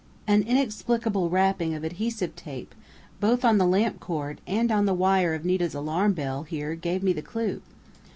An inexplicable wrapping of adhesive tape both on the lamp cord and on the wire of Nita's alarm bell here gave me the clue....